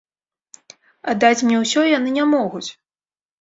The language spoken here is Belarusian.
Аддаць мне ўсё яны не могуць.